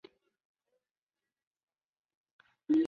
操作系统的历史在某种意义上来说也是计算机的历史。